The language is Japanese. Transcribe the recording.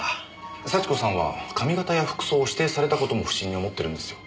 幸子さんは髪形や服装を指定された事も不審に思ってるんですよ。